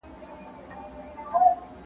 ښو تلتکو کې به څملي او پیسې به هم ګټي؛